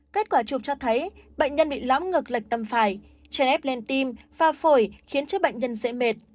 kết quả chụp cho thấy bệnh nhân bị lõm ngực lệch tâm phải chén ép lên tim và phổi khiến chức bệnh nhân dễ mệt